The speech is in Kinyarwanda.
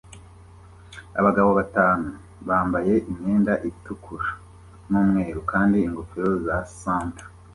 Abagabo batanu bambaye imyenda itukura n'umweru kandi ingofero za Santa